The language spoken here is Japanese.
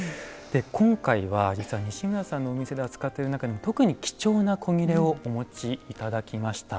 で今回は実は西村さんのお店で扱ってる中に特に貴重な古裂をお持ち頂きました。